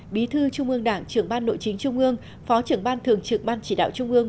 bí thư trung ương đảng trưởng ban nội chính trung ương phó trưởng ban thường trực ban chỉ đạo trung ương